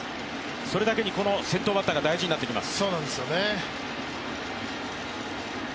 それだけに、この先頭バッターが大事になってきます。